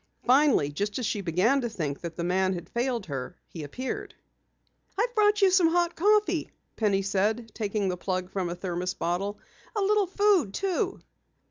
Finally, just as she began to think that the man had failed her, he appeared. "I've brought you some hot coffee," Penny said, taking the plug from a thermos bottle. "A little food too."